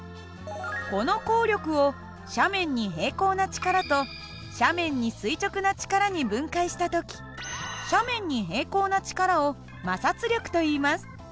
この抗力を斜面に平行な力と斜面に垂直な力に分解した時斜面に平行な力を摩擦力といいます。